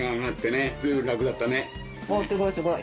おーすごいすごい。